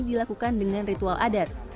dilakukan dengan ritual adat